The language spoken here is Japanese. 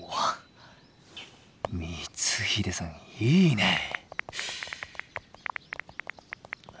光秀さんいいねえ。